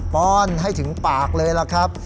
ป้อนให้ถึงปากเลยล่ะครับ